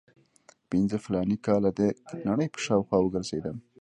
پنځه فلاني کاله د نړۍ په شاوخوا وګرځېدم.